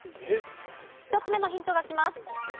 １つ目のヒントがきます。